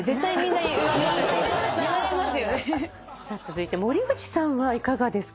続いて森口さんはいかがですか？